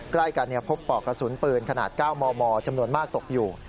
ใกล้กันพบปอกกระสุนปืนขนาด๙มมจำนวนมากตกอยู่